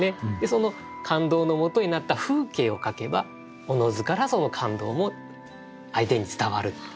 その感動のもとになった風景を書けばおのずからその感動も相手に伝わる。